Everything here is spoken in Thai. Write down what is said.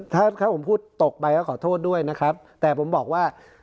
ถ้าถ้าผมพูดตกไปก็ขอโทษด้วยนะครับแต่ผมบอกว่า